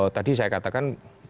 tadi saya katakan